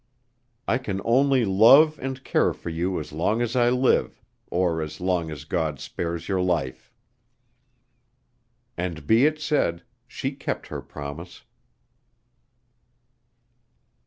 I can only love and care for you as long as I live, or as long as God spares your life." And be it said, she kept her promise.